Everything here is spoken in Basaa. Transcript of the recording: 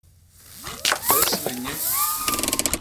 Pes me nye.